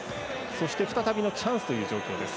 そして、再びのチャンスという状況です。